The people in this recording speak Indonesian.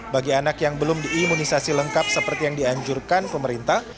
bagi anak yang belum diimunisasi lengkap seperti yang dianjurkan pemerintah